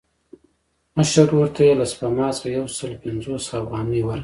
مشر ورور ته یې له سپما څخه یو سل پنځوس افغانۍ ورکړې.